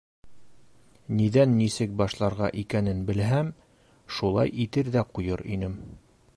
Ниҙән нисек башларға икәнен белһәм, шулай итер ҙә ҡуйыр инем.